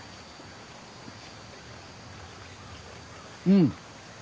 うん！